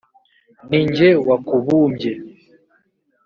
ni jye wakubumbye